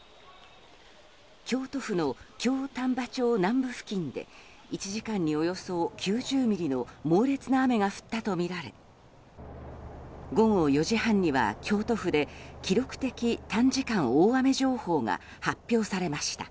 京都府の京丹波町南部付近で１時間におよそ９０ミリの猛烈な雨が降ったとみられ午後４時半には京都府で記録的短時間大雨情報が発表されました。